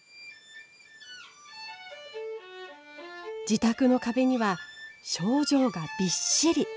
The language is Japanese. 自宅の壁には賞状がびっしり。